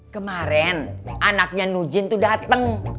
kemaren anaknya nujin tuh dateng